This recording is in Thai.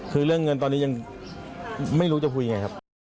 คือเรื่องเงินตอนนี้ยังไม่รู้จะคุยยังไงครับ